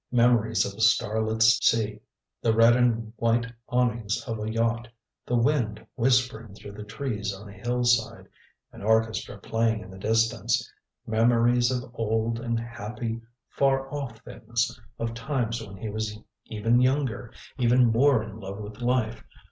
Memories of a starlit sea the red and white awnings of a yacht the wind whispering through the trees on a hillside an orchestra playing in the distance memories of old, and happy, far off things of times when he was even younger, even more in love with life.